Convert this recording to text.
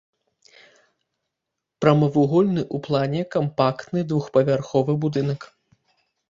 Прамавугольны ў плане кампактны двухпавярховы будынак.